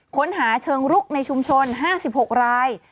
ค้นหาเชิงรุกในชุมชน๕๖ราย